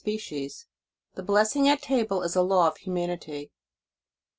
SPECIES THE BLESSING AT TABLE IS A LAW OF HUMANITY.